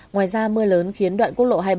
ngoài ra mưa lớn khiến đoạn quốc lộ hai mươi bảy